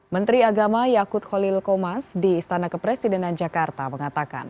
menteri agama yakut holil komas di istana kepresidenan jakarta mengatakan